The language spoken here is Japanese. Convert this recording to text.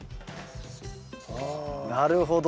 なるほど。